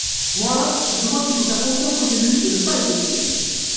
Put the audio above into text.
Moi, je crois qu’il faut faire confiance aux élus et ne pas les défier.